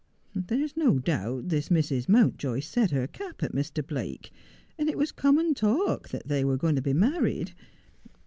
There's no doubt this Mrs. Mount] oy set her cap at Mr. Blake, and it was common talk that they were going to be married.